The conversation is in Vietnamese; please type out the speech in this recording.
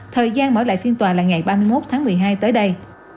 thời gian mở lại phiên tòa là ngày ba mươi một tháng một mươi hai tới đây